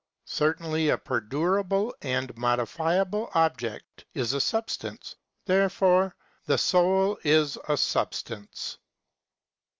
Certainly a per durable and modifiable object is a substance. Therefore the soul is a substance.